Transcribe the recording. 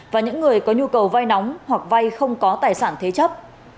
và những người có nhu cầu vai nóng hoặc vai không có tài sản thế chấp